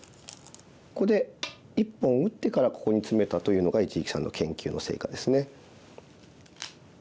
ここで１本打ってからここにツメたというのが一力さんの研究の成果ですね。